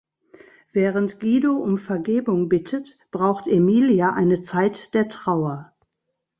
Während Guido um Vergebung bittet, braucht Emilia eine Zeit der Trauer.